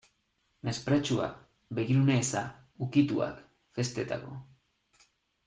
Mespretxua, begirune eza, ukituak, festetako.